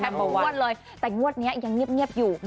แค่มันมวดเลยแต่มวดเนี่ยยังเงียบอยู่